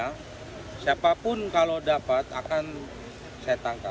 karena siapapun kalau dapat akan saya tangkap